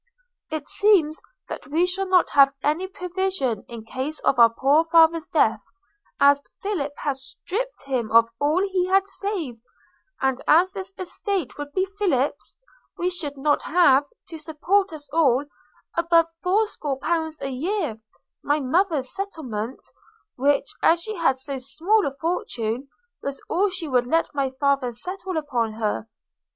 – It seems that we shall not have any provision in case of our poor father's death, as Philip has stripped him of all he had saved; and as this estate would be Philip's, we should not have, to support us all, above fourscore pounds a year; my mother's settlement, which, as she had so small a fortune, was all she would let my father settle upon her.